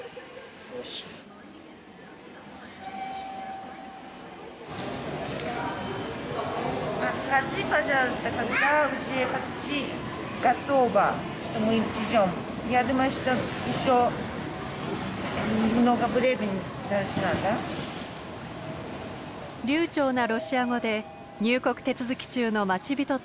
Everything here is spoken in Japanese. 流ちょうなロシア語で入国手続き中の待ち人と連絡を取ります。